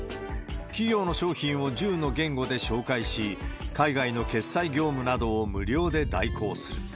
企業の商品を１０の言語で紹介し、海外の決済業務などを無料で代行する。